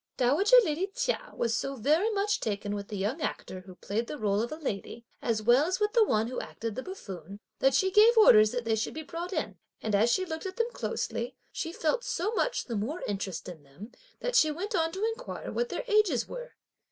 Dowager lady Chia was so very much taken with the young actor, who played the role of a lady, as well as with the one who acted the buffoon, that she gave orders that they should be brought in; and, as she looked at them closely, she felt so much the more interest in them, that she went on to inquire what their ages were.